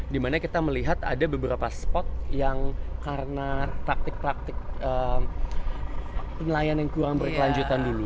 dimana kita melihat ada beberapa spot yang karena praktik praktik penilaian yang kurang berkelanjutan dulu